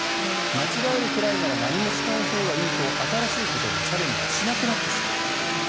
間違えるくらいなら何もしないほうがいいと新しいことへのチャレンジをしなくなってしまう。